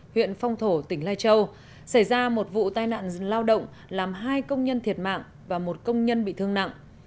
huyện phong thổ tỉnh lai châu xảy ra một vụ tai nạn lao động làm hai công nhân thiệt mạng và một công nhân bị thương nặng